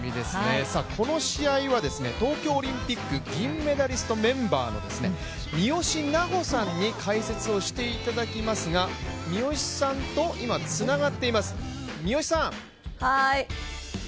この試合はですね東京オリンピック銀メダリストメンバーの三好南穂さんに解説をしていただきますが三好さんと、つながっています。